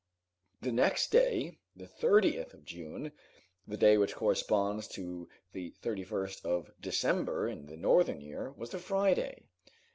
The next day, the 30th of June, the day which corresponds to the 31st of December in the northern year, was a Friday.